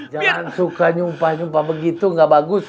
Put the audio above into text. jangan suka nyumpah nyumpah begitu nggak bagus